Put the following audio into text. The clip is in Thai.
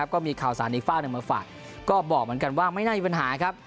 ก็มีข่าวสารอีกฝากหนึ่งมาฝากก็บอกเหมือนกันว่าไม่น่ามีปัญหาครับ